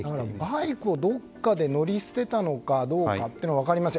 バイクをどこかで乗り捨てたのかどうかというのは分かりません。